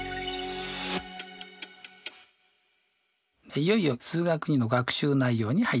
いよいよ「数学Ⅱ」の学習内容に入っていきます。